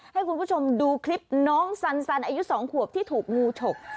ให้คุณผู้ชมดูคลิปน้องสันอายุ๒ขวบที่ถูกงูฉก